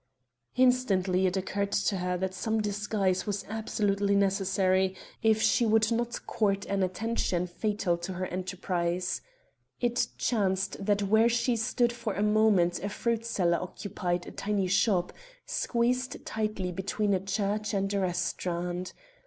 Instantly it occurred to her that some disguise was absolutely necessary if she would not court an attention fatal to her enterprise. It chanced that where she stood for a moment a fruit seller occupied a tiny shop, squeezed tightly between a church and a restaurant.